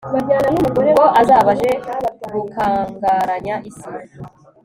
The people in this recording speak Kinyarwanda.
ubwo azaba aje gukangaranya isi